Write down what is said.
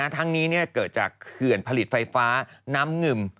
ทั้งนี้เกิดจากเขื่อนผลิตไฟฟ้าน้ำงึม